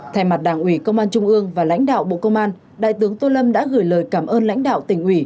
thay mặt đảng ủy công an trung ương và lãnh đạo bộ công an đại tướng tô lâm đã gửi lời cảm ơn lãnh đạo tỉnh ủy